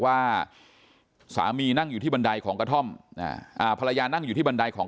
ว่าสามีนั่งอยู่ที่บันไดของกระท่อมภรรยานั่งอยู่ที่บันไดของ